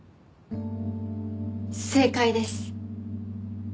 正解です。